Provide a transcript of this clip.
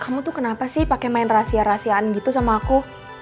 kamu tuh kenapa sih pakai main rahasia rahasiaan gitu sama aku